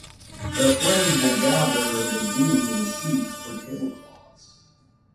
Their friends will gather the dew in sheets or tablecloths.